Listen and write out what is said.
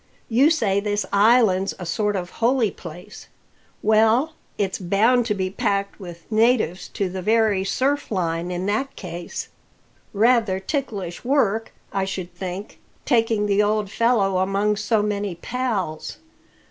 You say this island's a sort of holy place; well, it's bound to be packed with natives to the very surf line in that case. Rather ticklish work, I should think, taking the old fellow among so many pals.